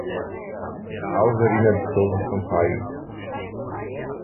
Alzerina de Souza Sampaio